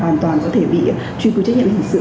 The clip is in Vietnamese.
hoàn toàn có thể bị truy cư trách nhiệm hình sự